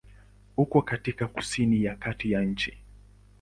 Uko katika kusini ya kati ya nchi.